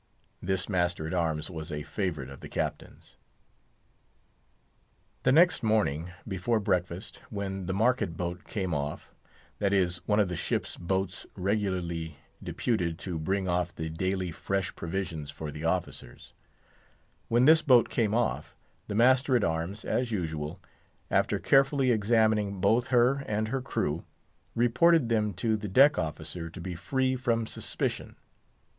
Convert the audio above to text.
This master at arms was a favourite of the Captain's. The next morning, before breakfast, when the market boat came off (that is, one of the ship's boats regularly deputed to bring off the daily fresh provisions for the officers)—when this boat came off, the master at arms, as usual, after carefully examining both her and her crew, reported them to the deck officer to be free from suspicion.